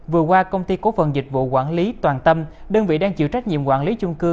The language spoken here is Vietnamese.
vừa qua công ty cổ phần dịch vụ quản lý toàn tâm đơn vị đang chịu trách nhiệm quản lý chung cư